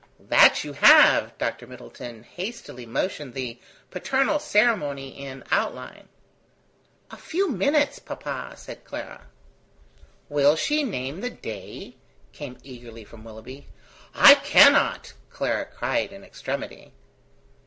"That you have." Dr. Middleton hastily motioned the paternal ceremony in outline. "A few minutes, papa," said Clara. "Will she name the day?" came eagerly from Willoughby. "I cannot!" Clara cried in extremity.